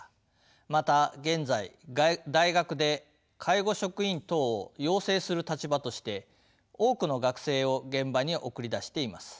また現在大学で介護職員等を養成する立場として多くの学生を現場に送り出しています。